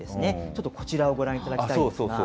ちょっとこちらをご覧いただきたいんですが。